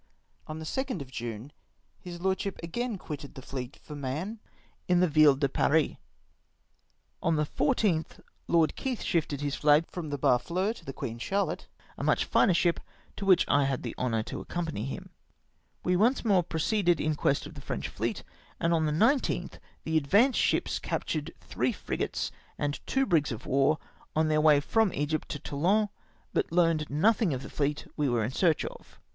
On the 2nd of June, his lordship again quitted the fleet for Mahon, in the Ville de Paris. On the 14th Lord Keith shifted his flag from the Barfleur to the Queen Charlotte, a much finer ship, to which I had the honour to accompany him. We once more proceeded in quest of the French fleet, and on the 19 th the advance ships captured G 3 8(i LOKD KEITH PUKSUES FRENCH FLEET TO BREST, tliree frigates and two brigs of war on their way from Egypt to Toulon, but learned nothing of the fleet we were in search of.